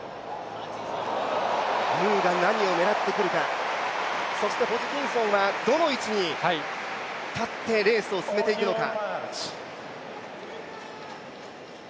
ムーが何を狙ってくるかそしてホジキンソンはどの位置に立ってレースを進めていくのか。